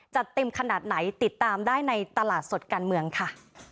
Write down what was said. จะเต็มขนาดไหนติดตามได้ในตลาดสดการเมืองค่ะ